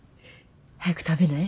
早く食べない？